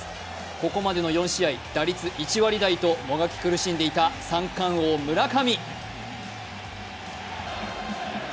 ここまでの４試合、打率１割台ともがき苦しんでいた三冠王・村上。